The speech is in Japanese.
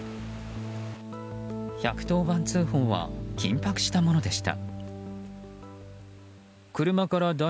１１０番通報は緊迫したものでした。